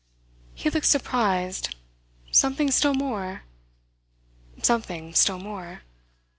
He looked surprised. "Something still more?" "Something still more."